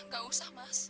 gak usah mas